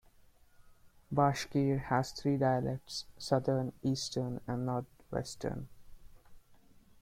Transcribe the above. Bashkir has three dialects: Southern, Eastern and Northwestern.